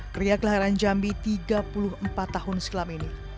keriaklahiran jambi tiga puluh empat tahun silam ini